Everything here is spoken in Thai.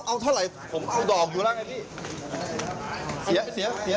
เอาเท่าไหร่ผมเอาดอกอยู่แล้วไงพี่เสีย